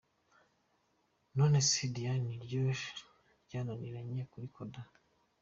None se Diane ni ryo ryananiranye kurikoda!!